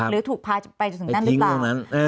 หรือถูกพาไปจนถึงนั่นหรือเปล่า